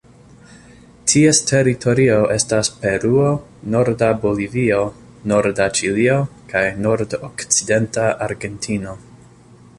Ties teritorio estas Peruo, norda Bolivio, norda Ĉilio kaj nordokcidenta Argentino.